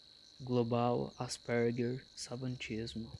global, asperger, savantismo